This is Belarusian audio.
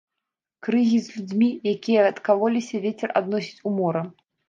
Крыгі з людзьмі, якія адкалоліся, вецер адносіць у мора.